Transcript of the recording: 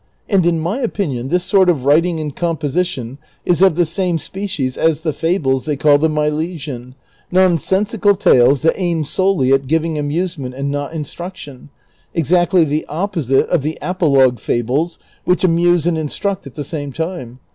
And in my opinion this sort of writing and composition is of the same species as the fables they call the Milesian, nonsensical tales that aim solely at giving amuse ment and not instruction, exactly the opposite of the apologue fables which amuse and instruct at the same time.